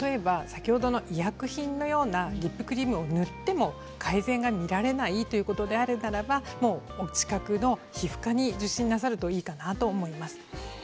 先ほどの医薬品のようなリップクリームを塗っても改善が見られないということであればお近くの皮膚科に受診なさるといいかなと思います。